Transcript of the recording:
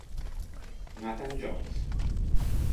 Nathan Jones